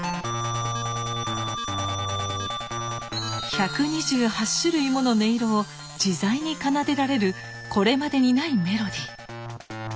１２８種類もの音色を自在に奏でられるこれまでにないメロディー。